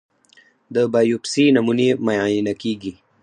د بایوپسي نمونې معاینه کېږي.